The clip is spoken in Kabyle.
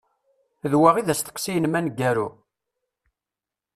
D wa i d asteqsi-inem aneggaru?